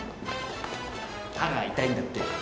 歯が痛いんだって。